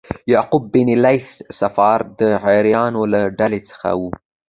یعقوب بن لیث صفار د عیارانو له ډلې څخه و.